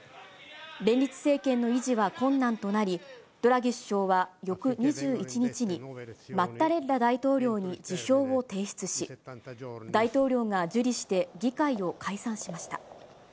連立政権の維持は困難となり、ドラギ首相は翌２１日に、マッタレッラ大統領に辞表を提出し、大統領が受理して議会を解散しました。